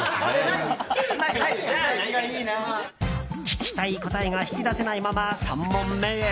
聞きたい答えが引き出せないまま３問目へ。